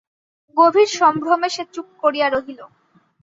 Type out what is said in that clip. গভীর সম্ভ্রমে সে চুপ করিয়া রহিল।